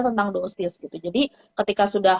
tentang dosis gitu jadi ketika sudah